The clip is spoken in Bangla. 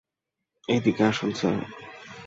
এদিকে আসুন, স্যার।